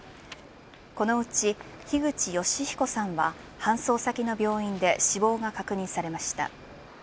このうち樋口善彦さんは、搬送先の病院で死亡が確認されました。